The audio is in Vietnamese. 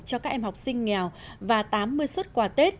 cho các em học sinh nghèo và tám mươi xuất quà tết